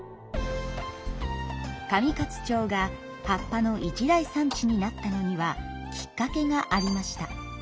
上勝町が葉っぱの一大産地になったのにはきっかけがありました。